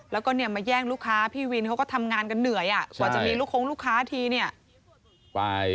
แล้วก็เนี่ยมาแย่งลูกค้าพี่วินเขาก็ทำงานกันเหนื่อยกว่าจะมีลูกคงลูกค้าทีเนี่ย